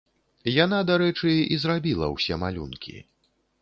Яна, дарэчы, і зрабіла ўсе малюнкі.